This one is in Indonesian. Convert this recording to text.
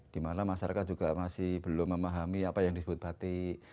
di mana masyarakat juga masih belum memahami apa yang disebut batik